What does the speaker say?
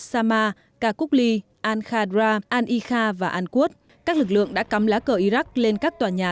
samar karkoukli al khadra al ikha và al quds các lực lượng đã cắm lá cờ iraq lên các tòa nhà